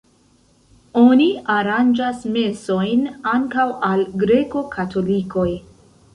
Oni aranĝas mesojn ankaŭ al greko-katolikoj.